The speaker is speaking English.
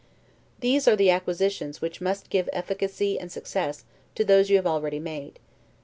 These are the acquisitions which must give efficacy and success to those you have already made.